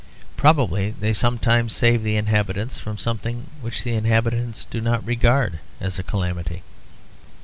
Probably they sometimes save the inhabitants from something which the inhabitants do not regard as a calamity.